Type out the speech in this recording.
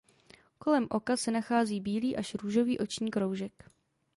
Kolem oka se nachází bílý až růžový oční kroužek.